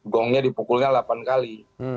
gongnya dipukulnya delapan kali